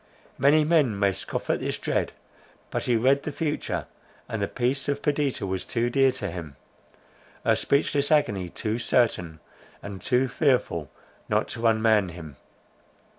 Many men may scoff at his dread; but he read the future; and the peace of Perdita was too dear to him, her speechless agony too certain, and too fearful, not to unman him.